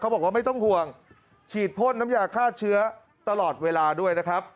บอกว่าไม่ต้องห่วงฉีดพ่นน้ำยาฆ่าเชื้อตลอดเวลาด้วยนะครับ